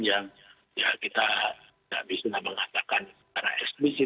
yang ya kita tidak bisa mengatakan secara eksplisit